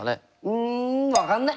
うん！